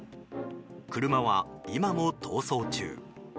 車は今も逃走中。